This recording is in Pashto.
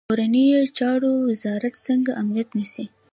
کورنیو چارو وزارت څنګه امنیت نیسي؟